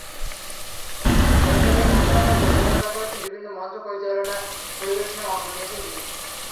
শৈশবে মঞ্চ নাটকে অভিনয়ের পাশাপাশি বিভিন্ন মঞ্চ পরিবেশনায় অংশ নিয়েছেন তিনি।